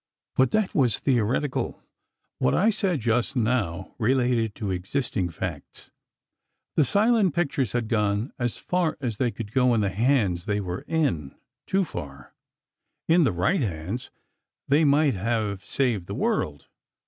"But that was theoretical. What I said just now related to existing facts. The silent pictures had gone as far as they could go in the hands they were in ... too far. In the right hands, they might have saved the world.